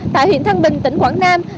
tại huyện thăng bình tỉnh quảng nam